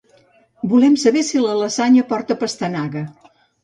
Volem saber si la lasanya porta pastanaga.